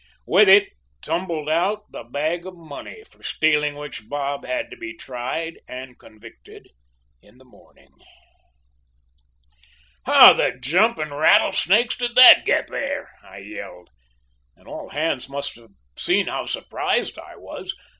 With it tumbled out the bag of money for stealing which Bob was to be tried and convicted in the morning. "'How the jumping rattlesnakes did that get there?' I yelled, and all hands must have seen how surprised I was.